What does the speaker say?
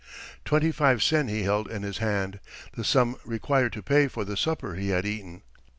Twenty five sen he held in his hand, the sum required to pay for the supper he had eaten.